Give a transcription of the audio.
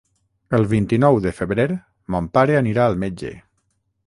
El vint-i-nou de febrer mon pare anirà al metge.